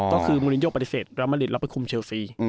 ก็คือมูลินโยปฏิเสธรามริตเราไปคุมเชลซี